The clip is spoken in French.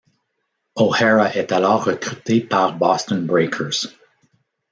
O'Hara est alors recrutée par Boston Breakers.